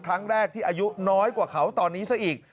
ครั้งแรกที่อายุน้อยกว่าเขาตอนนี้ซะอีก